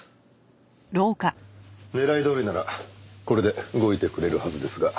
狙いどおりならこれで動いてくれるはずですが。